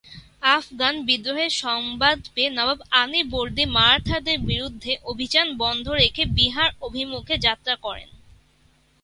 আফগান বিদ্রোহের সংবাদ পেয়ে নবাব আলীবর্দী মারাঠাদের বিরুদ্ধে অভিযান বন্ধ রেখে বিহার অভিমুখে যাত্রা করেন।